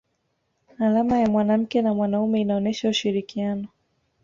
alama ya mwanamke na mwanaume inaonesha ushirikiano